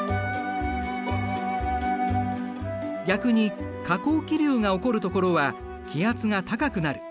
逆に下降気流が起こるところは気圧が高くなる。